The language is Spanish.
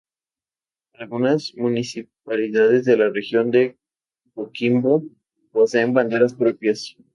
Algunas municipalidades de la Región de Coquimbo poseen banderas propias.